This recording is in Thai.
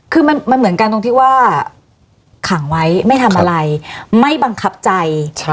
คือมันเหมือนกันตรงที่ว่าขังไว้ไม่ทำอะไรไม่บังคับใจ